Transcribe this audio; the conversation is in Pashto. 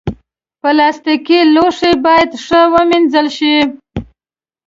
پلاستيکي لوښي باید ښه ومینځل شي.